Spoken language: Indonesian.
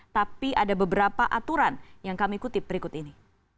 tapi ada beberapa aturan yang kami kutip berikut ini